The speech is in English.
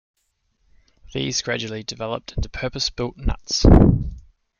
These gradually developed into purpose built nuts.